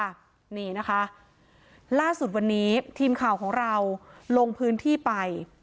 นี่นะคะล่าสุดวันนี้ทีมข่าวของเราลงพื้นที่ไป